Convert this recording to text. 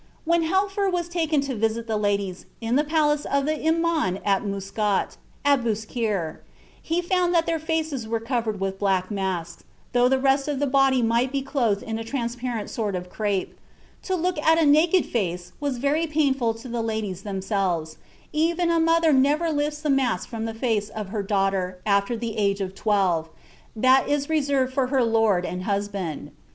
When Helfer was taken to visit the ladies in the palace of the Imam of Muskat, at Buscheir, he found that their faces were covered with black masks, though the rest of the body might be clothed in a transparent sort of crape; to look at a naked face was very painful to the ladies themselves; even a mother never lifts the mask from the face of her daughter after the age of twelve; that is reserved for her lord and husband.